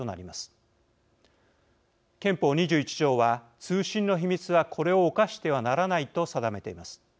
憲法２１条は「通信の秘密はこれを侵してはならない」と定めています。